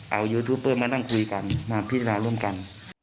เอายูทูปเปอร์มานั่งคุยกันมาพิจารณาร่วมกัน